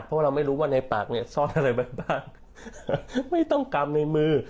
เพราะเราไม่รู้ว่าในปากเนี่ยซ่อนอะไรไว้บ้างไม่ต้องกำในมือ